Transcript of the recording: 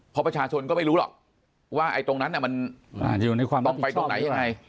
พอประชาชนก็ไม่รู้หรอกว่าอยู่ตรงนั้นต้องไปตรงไหน